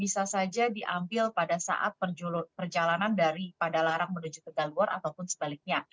bisa saja diambil pada saat perjalanan dari padalarang menuju tegaluar ataupun sebaliknya